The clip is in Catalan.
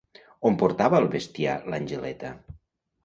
On portava el bestiar l'Angeleta?